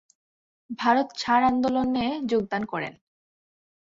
ভারত ছাড় আন্দোলনে যোগদান করেন।